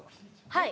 はい。